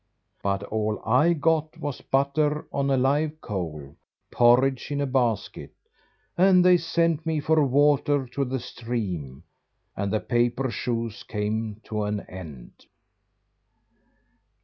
But all I got was butter on a live coal, porridge in a basket, and they sent me for water to the stream, and the paper shoes came to an end.